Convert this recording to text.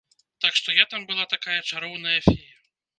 Так што я там была такая чароўная фея.